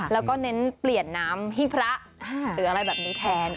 แล้วก็เน้นเปลี่ยนน้ำหิ้งพระหรืออะไรแบบนี้แทน